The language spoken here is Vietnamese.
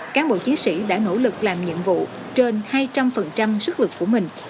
cán bộ chiến sĩ đã nỗ lực làm nhiệm vụ trên hai trăm linh sức lực của mình